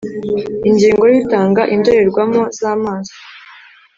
Ingingo y Utanga indorerwamo z amaso